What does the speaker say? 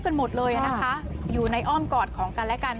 กันหมดเลยนะคะอยู่ในอ้อมกอดของกันและกัน